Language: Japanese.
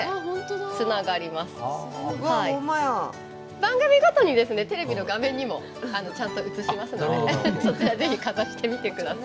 番組ごとにですねテレビの画面にもちゃんと映しますのでそちら是非かざしてみてください。